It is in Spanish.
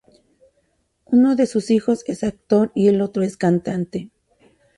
Uno de sus hijos es actor y el otro es cantante.